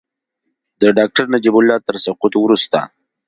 د ډاکټر نجیب الله تر سقوط وروسته.